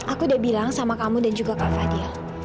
aku udah bilang sama kamu dan juga kak fadil